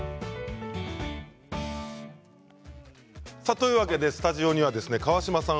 というわけでスタジオには川島さん